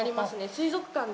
水族館で。